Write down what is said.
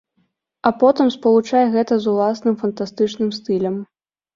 А потым спалучае гэта з уласным, фантастычным стылем.